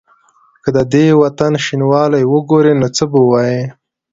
که د دې وطن شینوالی وګوري نو څه به وايي؟